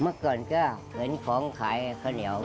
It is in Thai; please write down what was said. เมื่อก่อนก็เลือนของขายขอแนว